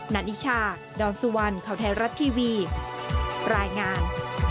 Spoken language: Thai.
นานิชาดอนสุวรรณข่าวไทยรัฐทีวีรายงาน